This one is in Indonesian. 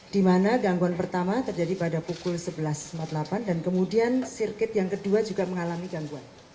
di mana gangguan pertama terjadi pada pukul sebelas empat puluh delapan dan kemudian sirkuit yang kedua juga mengalami gangguan